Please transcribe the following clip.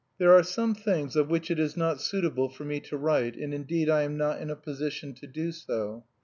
There are some things of which it is not suitable for me to write, and indeed I am not in a position to do so.